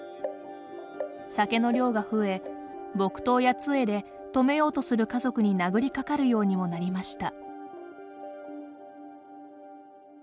酒の量が増え、木刀やつえで止めようとする家族に殴りかかるようにもなりました。